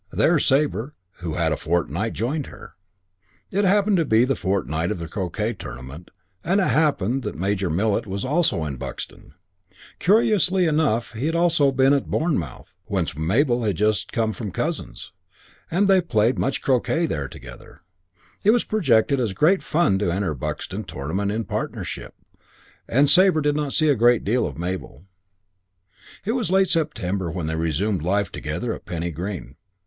There Sabre, who had a fortnight, joined her. It happened to be the fortnight of the croquet tournament, and it happened that Major Millet was also in Buxton. Curiously enough he had also been at Bournemouth, whence Mabel had just come from cousins, and they had played much croquet there together. It was projected as great fun to enter the Buxton tournament in partnership, and Sabre did not see a great deal of Mabel. It was late September when they resumed life together at Penny Green.